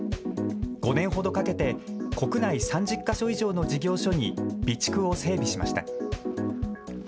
５年ほどかけて国内３０か所以上の事業所に備蓄を整備しました。